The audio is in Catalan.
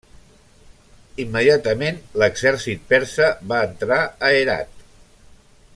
Immediatament l'exèrcit persa va entrar a Herat.